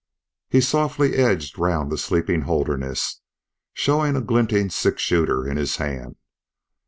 He softly edged round the sleeping Holderness, showing a glinting six shooter in his hand.